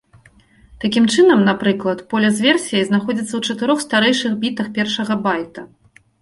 Такім чынам, напрыклад, поле з версіяй знаходзіцца ў чатырох старэйшых бітах першага байта.